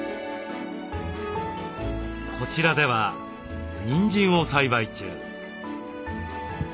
こちらではにんじんを栽培中。